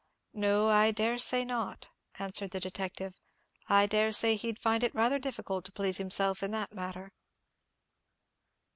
"No, I dare say not," answered the detective, "I dare say he'd find it rather difficult to please himself in that matter."